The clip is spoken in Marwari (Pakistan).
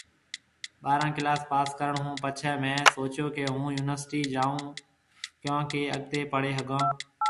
ٻاره ڪلاس پاس ڪرڻ هُون پڇي مهيَ سوچيو ڪي هون يونِيورسٽِي جائون ڪنو ڪي اڳتي پڙهيَ هگھون